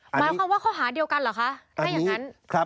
หมายความว่าเขาหาเดียวกันเหรอคะ